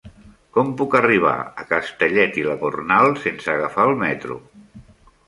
Com puc arribar a Castellet i la Gornal sense agafar el metro?